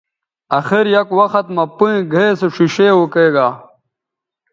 اخر یک وخت مہ پئیں گھئے سو ݜیݜے اوکیگا